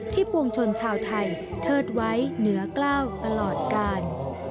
ปวงชนชาวไทยเทิดไว้เหนือกล้าวตลอดกาล